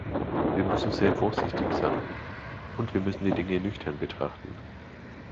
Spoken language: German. Wir müssen sehr vorsichtig sein, und wir müssen die Dinge nüchtern betrachten.